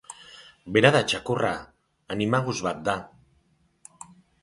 Bera da txakurra... animagus bat da...